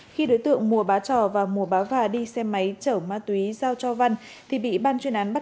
khi đối tượng mùa bá trò và mùa bá gà đi xe máy chở ma túy giao cho văn thì bị ban chuyên án bắt